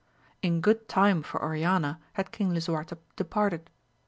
In good time for Oriana had King Lisuarte departed.